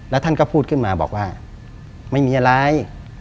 แล้วท่านก็พูดขึ้นมาบอกว่าไม่มีอะไร